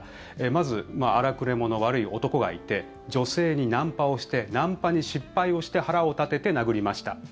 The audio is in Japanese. まず、荒くれ者悪い男がいて女性にナンパをしてナンパに失敗をして腹を立てて殴りました。